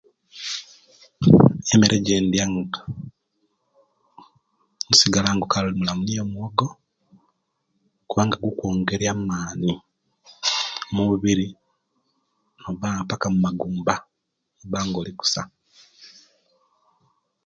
Emere ejendya nosigala nga okali mulamu niyo omuwogo kubanga gukwongera amani mumubiri oba paka mumagumba noba nga olikusa